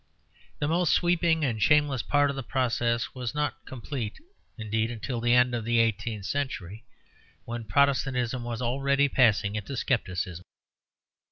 The most sweeping and shameless part of the process was not complete, indeed, until the end of the eighteenth century, when Protestantism was already passing into scepticism.